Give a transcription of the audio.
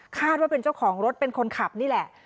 ว่าเป็นเจ้าของรถเป็นคนขับนี่แหละ